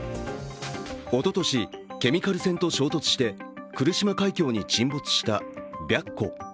おととし、ケミカル船と衝突して来島海峡に沈没した白虎。